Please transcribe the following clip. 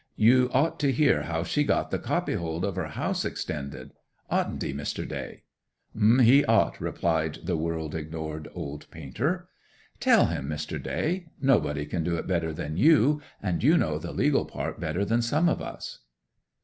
You ought to hear how she got the copyhold of her house extended. Oughtn't he, Mr. Day?' 'He ought,' replied the world ignored old painter. 'Tell him, Mr. Day. Nobody can do it better than you, and you know the legal part better than some of us.